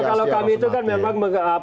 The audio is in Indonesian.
jadi kalau kami itu kan memang